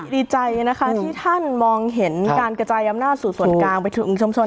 ดีใจนะคะที่ท่านมองเห็นการกระจายอำนาจสู่ส่วนกลางไปถึงชมชน